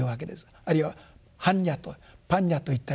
あるいは般若と「パンニャ」といったりするわけです。